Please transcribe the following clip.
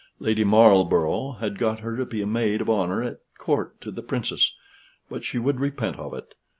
Lady Marlborough had got her to be a maid of honor at Court to the Princess, but she would repent of it.